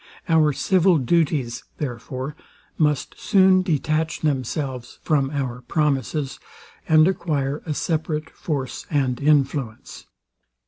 Our civil duties, therefore, must soon detach themselves from our promises, and acquire a separate force and influence.